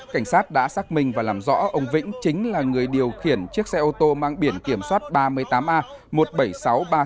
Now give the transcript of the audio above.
cảnh sát đã xác minh và làm rõ ông vĩnh chính là người điều khiển chiếc xe ô tô mang biển kiểm soát ba mươi tám a một mươi bảy nghìn sáu trăm ba mươi sáu